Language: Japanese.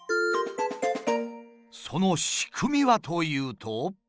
その仕組みはというと。